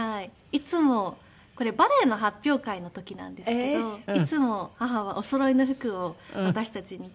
いつもこれバレエの発表会の時なんですけどいつも母はおそろいの服を私たちに着せて。